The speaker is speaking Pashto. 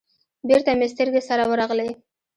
بېرته مې سترگې سره ورغلې.